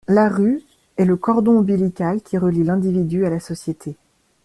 La rue est le cordon ombilical qui relie l’individu à la société.